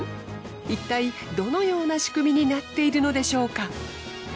いったいどのような仕組みになっているのでしょうか？